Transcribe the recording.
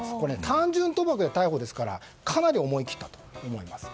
単純賭博で逮捕ですからかなり思い切ったことだと思います。